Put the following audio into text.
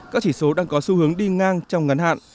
các chỉ số đang có xu hướng đi ngang trong ngắn hạn